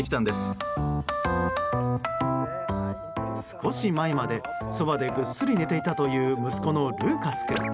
少し前までそばでぐっすり寝ていたという息子のルーカス君。